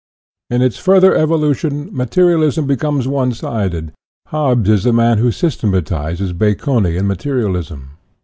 INTRODUCTION 15 " In its further evolution, materialism becomes one sided. Hobbes is the man who systematizes Baconian materialism.